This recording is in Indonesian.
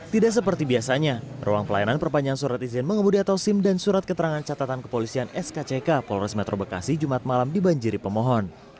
tidak seperti biasanya ruang pelayanan perpanjangan surat izin mengemudi atau sim dan surat keterangan catatan kepolisian skck polres metro bekasi jumat malam dibanjiri pemohon